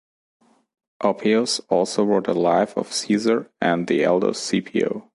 Oppius also wrote a life of Caesar and the elder Scipio.